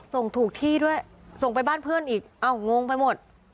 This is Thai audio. ส่งถูกที่ด้วยส่งไปบ้านเพื่อนอีกอ้าวงงไปหมด